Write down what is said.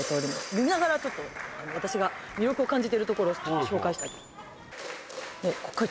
見ながらちょっと私が魅力を感じてるところ紹介したいと思います